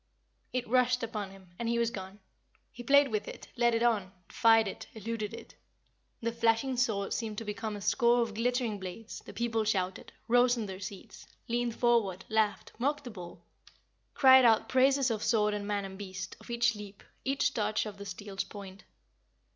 It rushed upon him, and he was gone. He played with it, led it on, defied it, eluded it. The flashing sword seemed to become a score of glittering blades; the people shouted rose in their seats leaned forward laughed mocked the bull cried out praises of sword and man and beast of each leap each touch of the steel's point.